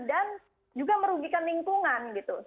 dan juga merugikan lingkungan gitu